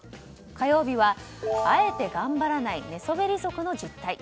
火曜日は、あえて頑張らない寝そべり族の実態。